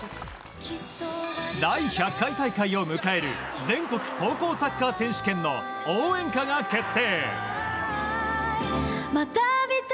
第１００回大会を迎える全国高校サッカー選手権の応援歌が決定。